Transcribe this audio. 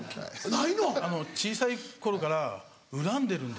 ないの⁉小さい頃から恨んでるんですよ。